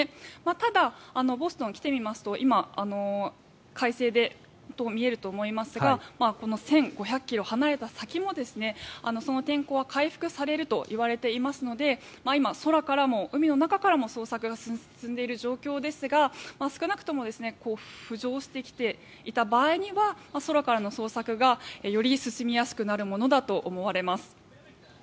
ただ、ボストンに来てみますと今、快晴で見えると思いますがこの１５００ｋｍ離れた先も天候は回復されるといわれていますので今、空からも海の中からも捜索が進んでいる状況ですが少なくとも浮上してきていた場合には空からの捜索がより進めやすくなるものだと思われます。